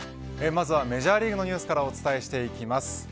まずはメジャーリーグのニュースからお伝えしていきます。